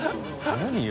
何よ？